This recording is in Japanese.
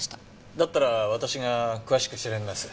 だったら私が詳しく調べます。